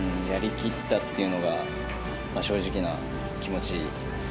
やりきったっていうのが、正直な気持ち。